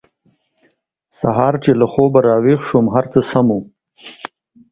سهار چې له خوبه راویښ شوم هر څه سم وو